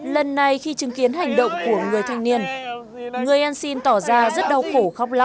lần này khi chứng kiến hành động của người thanh niên người ăn xin tỏ ra rất đau khổ khóc la